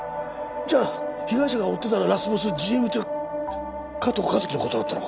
じゃあ被害者が追ってたラスボスＧＭって加藤香月の事だったのか？